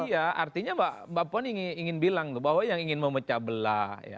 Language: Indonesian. iya artinya mbak puan ingin bilang bahwa yang ingin memecah belah